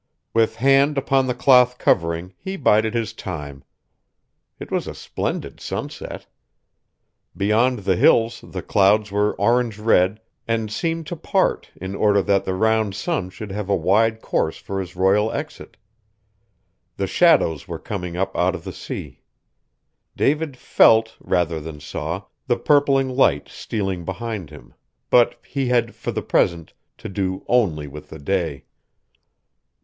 With hand upon the cloth covering he bided his time. It was a splendid sunset. Beyond the Hills the clouds were orange red and seemed to part in order that the round sun should have a wide course for his royal exit. The shadows were coming up out of the sea. David felt, rather than saw, the purpling light stealing behind him, but he had, for the present, to do only with the day.